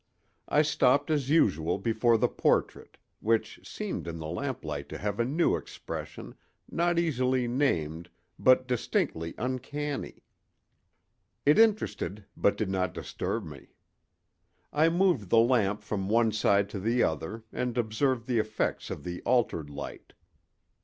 I stopped as usual before the portrait, which seemed in the lamplight to have a new expression, not easily named, but distinctly uncanny. It interested but did not disturb me. I moved the lamp from one side to the other and observed the effects of the altered light.